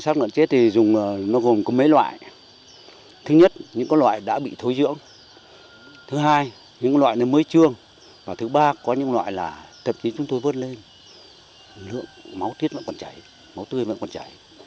lực lượng máu tuyết vẫn còn chảy máu tươi vẫn còn chảy